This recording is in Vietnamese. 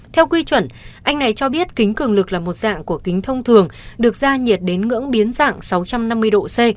theo quy chuẩn anh này cho biết kính cường lực là một dạng của kính thông thường được ra nhiệt đến ngưỡng biến dạng sáu trăm năm mươi độ c